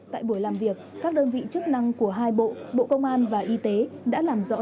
tại buổi làm việc các đơn vị chức năng của hai bộ bộ công an và y tế đã làm rõ